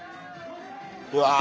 うわ。